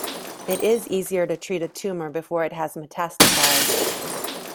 It is easier to treat a tumour before it has metastasized.